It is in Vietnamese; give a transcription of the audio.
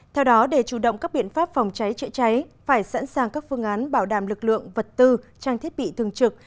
theo đó để chủ động các biện pháp phòng cháy chữa cháy phải sẵn sàng các phương án bảo đảm lực lượng vật tư trang thiết bị thường trực